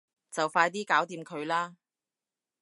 就快啲搞掂佢啦